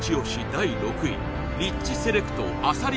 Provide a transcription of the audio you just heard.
第６位リッチセレクトあさり